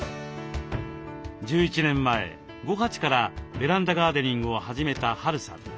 １１年前５鉢からベランダガーデニングを始めたＨ・Ａ・Ｒ・Ｕさん。